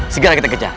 segera kita kejar